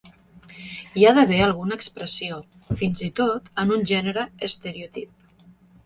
Hi ha d'haver alguna expressió, fins i tot en un gènere estereotip.